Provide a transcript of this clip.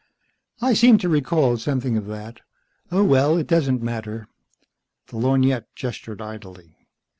"I seem to recall something of that. Oh well, it doesn't matter." The lorgnette gestured idly.